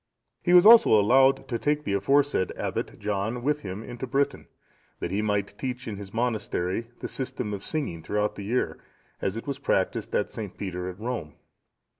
He was also allowed to take the aforesaid Abbot John with him into Britain, that he might teach in his monastery the system of singing throughout the year, as it was practised at St. Peter's at Rome.